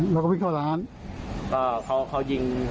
แล้วก็วิ่งเข้าร้าน